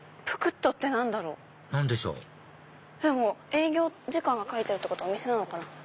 営業時間が書いてあるってことはお店なのかな。